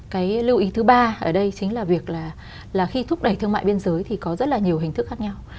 cái lưu ý thứ ba ở đây chính là việc là khi thúc đẩy thương mại biên giới thì có rất là nhiều hình thức khác nhau